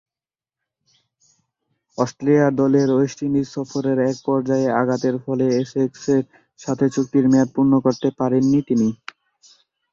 Australia দলের West Indies সফরের এক পর্যায়ে আঘাতের ফলে এসেক্সের সাথে চুক্তির মেয়াদ পূর্ণ করতে পারেননি তিনি।